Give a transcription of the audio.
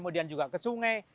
dan juga ke sungai